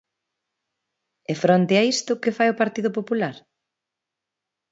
E fronte a isto, ¿que fai o Partido Popular?